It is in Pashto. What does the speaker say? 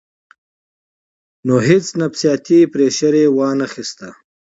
نو هېڅ نفسياتي پرېشر ئې وانۀ خستۀ -